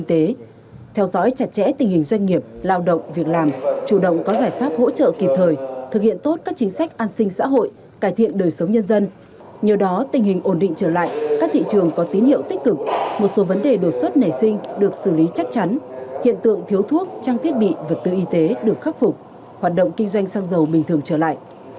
theo dõi chặt chẽ tình hình doanh nghiệp lao động việc làm chủ động có giải pháp hỗ trợ kịp thời thực hiện tốt các chính sách an sinh xã hội cải thiện đời sống nhân dân nhờ đó tình hình ổn định trở lại các thị trường có tín hiệu tích cực một số vấn đề đột xuất nảy sinh được xử lý chắc chắn hiện tượng thiếu thuốc trang thiết bị vật tư y tế được khắc phục hoạt động kinh doanh sang giàu bình thường trở lại